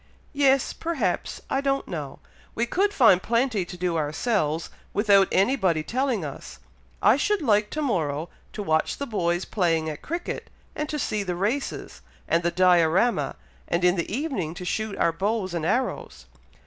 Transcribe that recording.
"Yes perhaps I don't know! we could find plenty to do ourselves, without anybody telling us. I should like to morrow, to watch the boys playing at cricket, and to see the races, and the Diorama, and in the evening to shoot our bows and arrows."